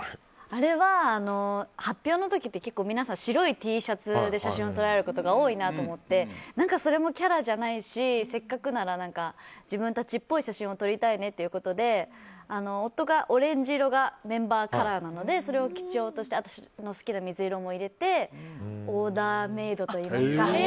あれは発表の時って結構皆さん白いＴシャツで写真を撮られる方が多いなと思ってそれもキャラじゃないしせっかくなら自分たちっぽい写真を撮りたいねということで夫が、オレンジ色がメンバーカラーなのでそれを基調として私の好きな水色も入れてオーダーメードといいますか。